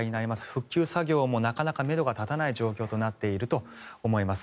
復旧作業もなかなかめどが立たない状況になっていると思います。